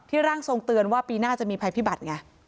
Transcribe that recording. ร่างทรงเตือนว่าปีหน้าจะมีภัยพิบัติไง